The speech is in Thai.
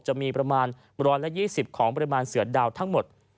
จะมีประมาณ๑๒๐ของปริมาณเสือดาวทั้งหมด